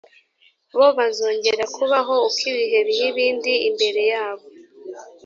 bo bazongera kubaho uko ibihe biha ibindi imbere yabo